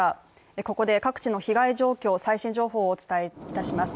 ここで各地の被害状況、最新情報をお伝えいたします。